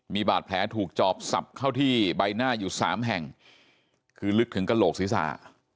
มีบาดแผลถูกจอบสับเข้าที่ใบหน้าอยู่สามแห่งคือลึกถึงกระโหลกศีรษะ